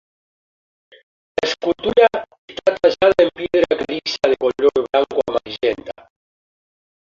La escultura está tallada en piedra caliza de color blanco-amarillenta.